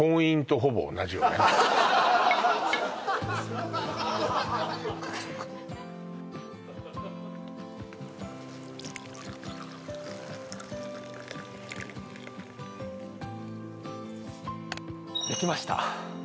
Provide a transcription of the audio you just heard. いやできました